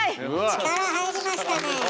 力入りましたね。